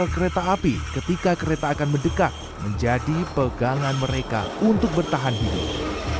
kereta api ketika kereta akan mendekat menjadi pegangan mereka untuk bertahan hidup